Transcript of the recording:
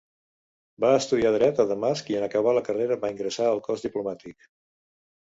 Va estudiar dret a Damasc i en acabar la carrera va ingressar al cos diplomàtic.